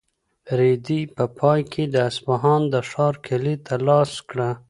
رېدي په پای کې د اصفهان د ښار کیلي ترلاسه کړه.